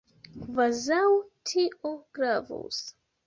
Kvazaŭ tio gravus!